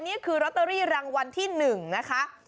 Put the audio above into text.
นี่คือลอตเตอรี่รางวัลที่๑นะคะ